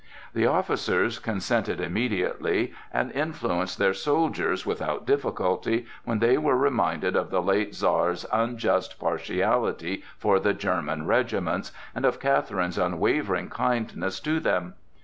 The officers consented immediately and influenced their soldiers without difficulty when they were reminded of the late Czar's unjust partiality for the German regiments, and of Catherine's unwavering kindness to them.